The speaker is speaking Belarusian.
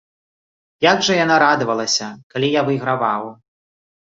Як жа яна радавалася, калі я выйграваў.